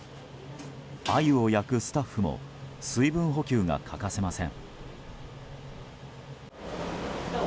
アユを焼くスタッフも水分補給が欠かせません。